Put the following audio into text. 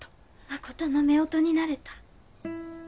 まことの夫婦になれた。